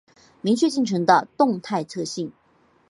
明确进程的动态特性